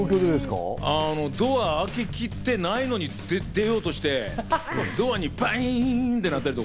ドア開けきってないのに出ようとして、ドアにバインってなったり。